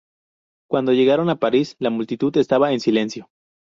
Cuando llegaron a París, la multitud estaba en silencio.